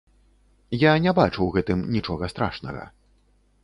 Я не бачу ў гэтым нічога страшнага.